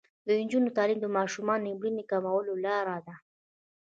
د نجونو تعلیم د ماشومانو مړینې کمولو لاره ده.